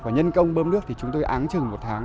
và nhân công bơm nước thì chúng tôi áng chừng một tháng